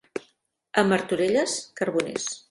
A Martorelles, carboners.